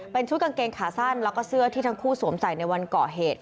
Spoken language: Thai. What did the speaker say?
เป็นชุดกางเกงขาสั้นแล้วก็เสื้อที่ทั้งคู่สวมใส่ในวันก่อเหตุ